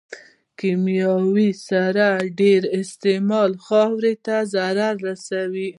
د کيمياوي سرې ډېر استعمال خاورې ته ضرر رسوي.